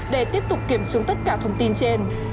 để tiếp tục kiểm chứng tất cả thông tin trên